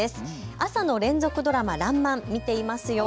朝の連続ドラマ、らんまん見ていますよ。